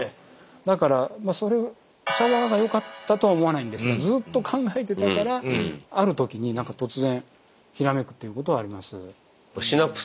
だからまあそれシャワーがよかったとは思わないんですがずっと考えてたからあるときに何か突然ひらめくということはあります。